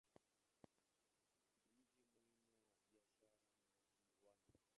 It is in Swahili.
Ni mji muhimu wa biashara na viwanda.